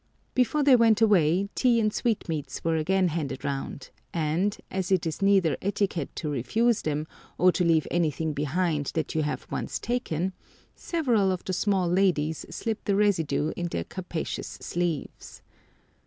Before they went away tea and sweetmeats were again handed round, and, as it is neither etiquette to refuse them or to leave anything behind that you have once taken, several of the small ladies slipped the residue into their capacious sleeves.